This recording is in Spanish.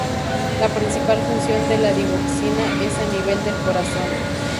La principal función de la digoxina es a nivel del corazón.